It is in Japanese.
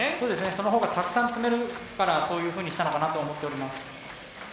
そのほうがたくさん積めるからそういうふうにしたのかなと思っております。